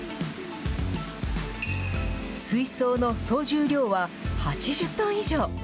水槽の総重量は８０トン以上。